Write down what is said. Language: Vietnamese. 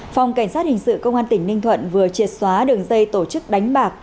phòng cảnh sát hình sự công an tỉnh ninh thuận vừa triệt xóa đường dây tổ chức đánh bạc